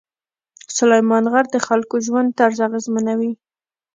سلیمان غر د خلکو ژوند طرز اغېزمنوي.